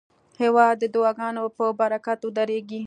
هېواد د دعاګانو په برکت ودریږي.